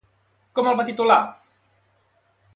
Com el va titular?